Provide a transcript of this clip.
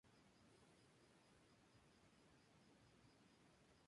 Juega de defensor y su primer equipo fue Defensores de Belgrano.